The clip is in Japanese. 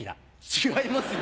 違いますよ！